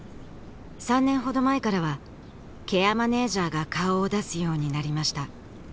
３年ほど前からはケアマネージャーが顔を出すようになりました